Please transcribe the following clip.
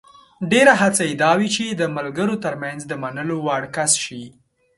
ډېره هڅه یې دا وي چې د ملګرو ترمنځ د منلو وړ کس شي.